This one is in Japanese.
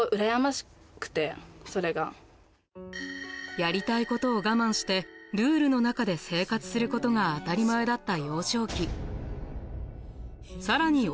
やりたいことを我慢してルールの中で生活することが当たり前だった